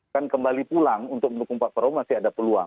kan kembali pulang untuk mendukung pak prabowo masih ada peluang